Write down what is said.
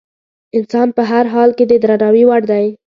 انسان په هر حال کې د درناوي وړ دی.